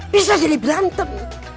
bisa jadi berantem